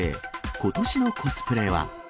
ことしのコスプレは？